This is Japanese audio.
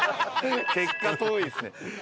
結果遠いですね。